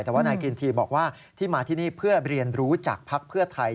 แต่ว่านายกินทีบอกว่าที่มาที่นี่เพื่อเรียนรู้จากภักดิ์เพื่อไทย